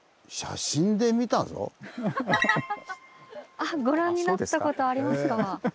あご覧になったことありますか。